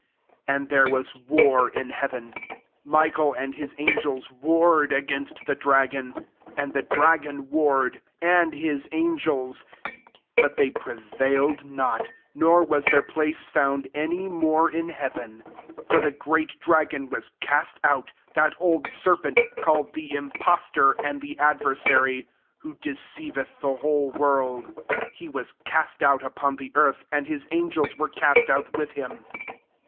7 And there was war in hea ven : Michael and his angels warred against the dragon ; and the dragon warred, and his an gels, 8 but they prevailed not, nor was their place found any more in heaven. 9 For the great dragon was cast out, that old serpent, called the impostor, and [thej adversary, who de ceiveth the whole world; he was cast out upon the eartli, and his angels were cast out with him.